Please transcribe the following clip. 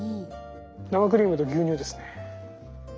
生クリームと牛乳ですね。